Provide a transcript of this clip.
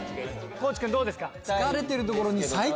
地君どうですか？